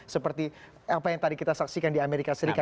seperti apa yang tadi kita saksikan di amerika serikat